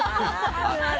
あるある。